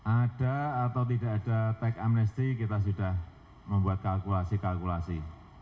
ada atau tidak ada tech amnesty kita sudah membuat kalkulasi kalkulasi